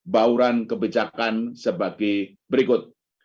bauran kebijakan sebagai berikut